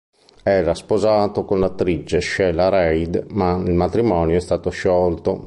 Era sposato con l'attrice Sheila Reid ma il matrimonio è stato sciolto.